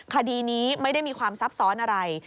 คดีนี้ไม่ได้มีความซับซ้อนอะไร